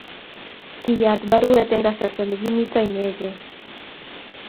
kiyaat baruet Eng' kasarta ne kimito inegei